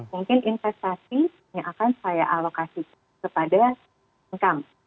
mungkin investasi yang akan saya alokasikan kepada income